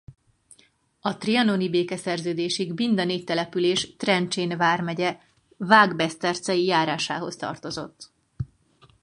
A trianoni békeszerződésig mind a négy település Trencsén vármegye Vágbesztercei járásához tartozott.